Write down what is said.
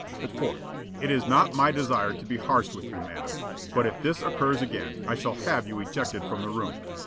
The Court: "It is not my desire to be harsh with you, madam, but if this occurs again I shall have you ejected from the room.